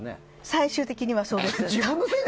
最終的にはそうです。